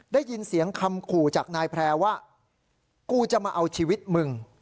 ได้ยินเสียงคำขู่จากนายแพร่ว่ากูจะมาเอาชีวิตมึง